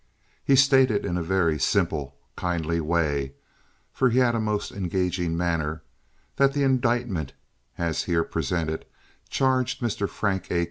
He stated in a very simple, kindly way—for he had a most engaging manner—that the indictment as here presented charged Mr. Frank A.